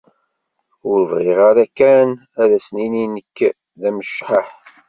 Ur bɣiɣ ara kan ad as-tiniḍ nekk d amecḥaḥ.